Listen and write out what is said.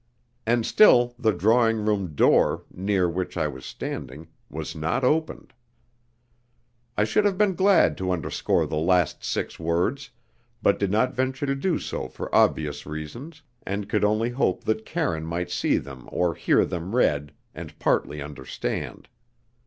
And still the drawing room door, near which I was standing, was not opened. I should have been glad to underscore the last six words, but did not venture to do so for obvious reasons, and could only hope that Karine might see them or hear them read, and partly understand.